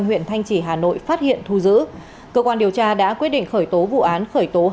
huyện thanh trì hà nội phát hiện thu giữ cơ quan điều tra đã quyết định khởi tố vụ án khởi tố